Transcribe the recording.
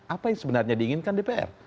apa yang sebenarnya diinginkan dpr